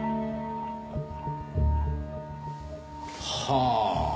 はあ。